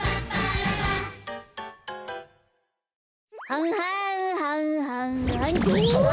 はんはんはんはんはんどわ！